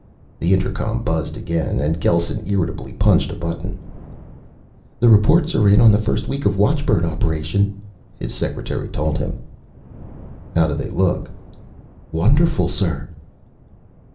The intercom buzzed again, and Gelsen irritably punched a button. "The reports are in on the first week of watchbird operation," his secretary told him. "How do they look?" "Wonderful, sir."